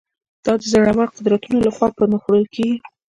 دا د زورورو قدرتونو له خوا پر مخ وړل کېږي.